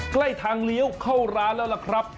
ใกล้ทางเลี้ยวเข้าร้านแล้วล่ะครับ